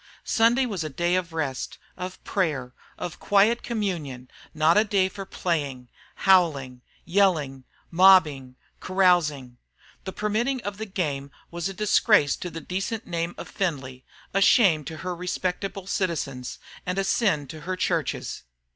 Sunday was a day of rest, of prayer, of quiet communion, not a day for playing, howling, yelling, mobbing, carousing. The permitting of the game was a disgrace to the decent name of Findlay, a shame to her respectable citizens, and a sin to her churches.